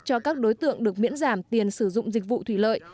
cho các đối tượng được miễn giảm tiền sử dụng dịch vụ thủy lợi